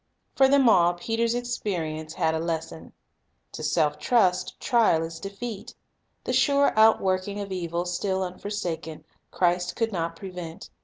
For them all, Peter's experience had a lesson. To self trust, trial is defeat. The sure outworking of evil still unforsaken, Christ could not prevent.